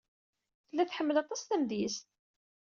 Tella tḥemmel aṭas tamedyazt.